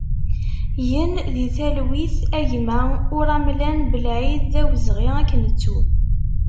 Gen di talwit a gma Uramlan Blaïd, d awezɣi ad k-nettu!